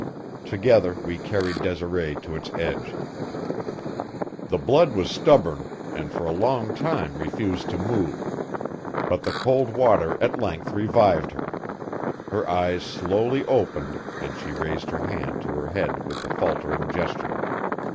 Together we carried Desiree to its edge. The blood was stubborn, and for a long time refused to move, but the cold water at length revived her; her eyes slowly opened, and she raised her hand to her head with a faltering gesture.